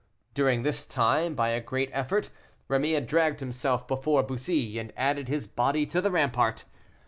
During this time, by a great effort, Rémy had dragged himself before Bussy, and added his body to the rampart.